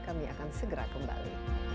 kami akan segera kembali